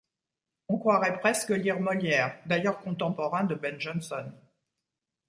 On croirait presque lire Molière, d'ailleurs contemporain de Ben Jonson.